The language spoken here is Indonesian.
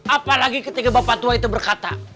apalagi ketika bapak tua itu berkata